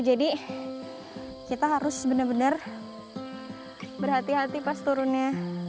jadi kita harus benar benar berhati hati pas turunnya